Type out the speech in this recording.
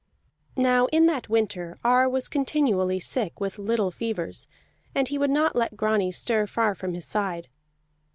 Now in that winter Ar was continually sick with little fevers, and he would not let Grani stir far from his side.